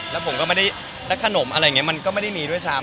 และขนมอะไรอย่างนี้มันก็ไม่ได้มีด้วยซ้ำ